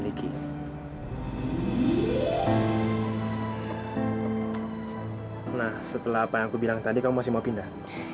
lu kenapa gak bilang lu mau pindah